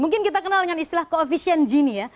mungkin kita kenal dengan istilah koefisien gini ya